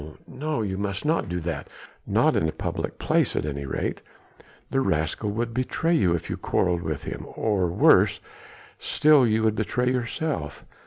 no! you must not do that ... not in a public place at any rate ... the rascal would betray you if you quarrelled with him ... or worse still you would betray yourself.